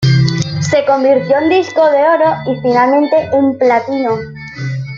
Se convirtió en disco de oro y finalmente en platino.